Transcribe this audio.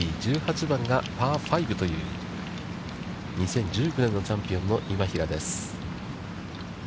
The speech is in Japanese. １８番がパー５という、２０１９年のチャンピオンの今平です。